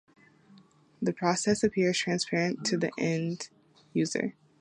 This process appears transparent to the end user.